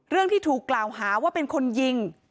ที่ถูกกล่าวหาว่าเป็นคนยิง